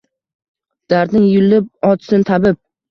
Dardni yulib otsin tabib.